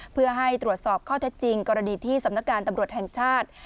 เพื่อให้ตรวจสอบข้อเท็จจริงกรณีที่สำนักการตำรวจแห่งชาติ